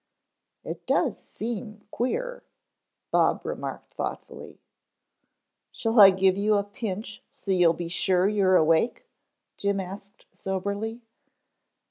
"It does seem queer," Bob remarked thoughtfully. "Shall I give you a pinch so you'll be sure you are awake?" Jim asked soberly.